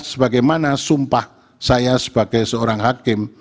sebagaimana sumpah saya sebagai seorang hakim